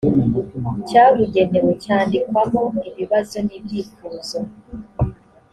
cyabugenewe cyandikwamo ibibazo n ibyifuzo